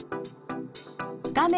画面